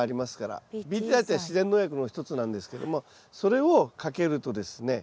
ＢＴ剤って自然農薬の一つなんですけどもそれをかけるとですね